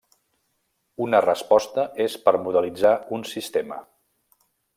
Una resposta és per modelitzar un sistema.